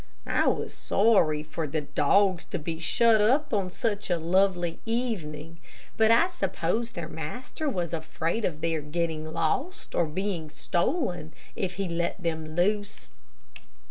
I was sorry for the dogs to be shut up on such a lovely evening, but I suppose their master was afraid of their getting lost, or being stolen, if he let them loose.